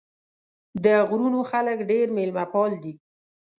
د غرونو خلک ډېر مېلمه پال دي.